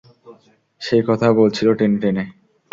সে কথা বলছিল টেনে টেনে!